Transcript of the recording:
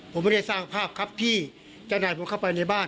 ผมไม่ได้สร้างภาพที่จะให้ผมเข้าไปในบ้าน